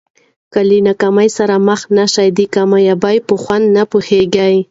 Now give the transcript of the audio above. که له ناکامۍ سره مخ نه سې د کامیابۍ په خوند نه پوهېږې.